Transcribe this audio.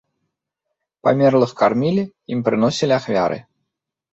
Памерлых кармілі, ім прыносілі ахвяры.